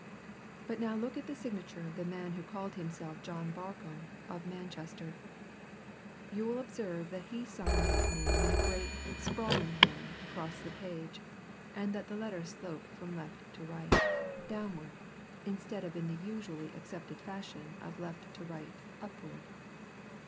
"But now look at the signature of the man who called himself John Barcombe, of Manchester. You will observe that he signed that name in a great, sprawling hand across the page, and that the letters slope from left to right, downward, instead of in the usually accepted fashion of left to right, upward.